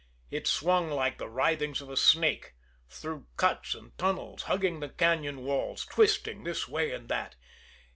It swung like the writhings of a snake, through cuts and tunnels, hugging the cañon walls, twisting this way and that.